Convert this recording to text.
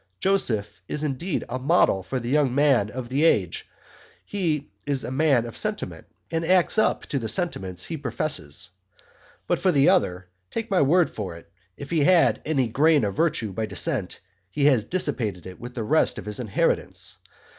Joseph is indeed a model for the young men of the Age He is a man of Sentiment and acts up to the Sentiments he professes but for the other[,] take my word for't [if] he had any grain of Virtue by descent he has dissipated it with the rest of his inheritance.